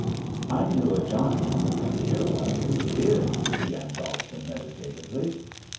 I knew a Johnnie on the Frontier once who did/' began Dallston meditatively.